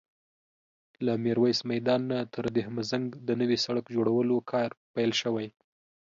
له ميرويس میدان نه تر دهمزنګ د نوي سړک جوړولو کار پیل شوی